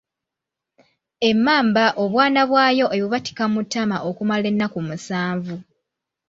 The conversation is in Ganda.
Emmamba obwana bwayo ebubatika mu ttama okumala ennaku Musanvu.